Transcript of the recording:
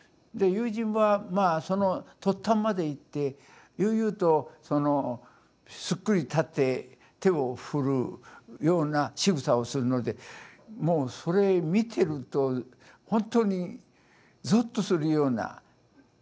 で友人はまあその突端まで行って悠々とそのすっくり立って手を振るようなしぐさをするのでもうそれ見てると本当にぞっとするような。